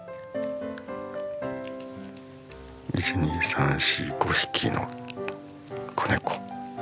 １２３４５匹の子ネコ。